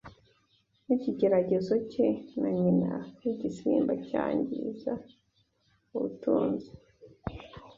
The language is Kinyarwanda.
ni ikigeragezo cye na nyina w'igisimba cyangiza ubutunzi